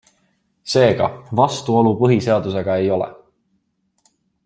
Seega, vastuolu põhiseadusega ei ole.